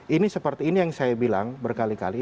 ini seperti ini yang saya bilang berkali kali